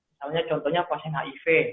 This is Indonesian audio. misalnya contohnya pasien hiv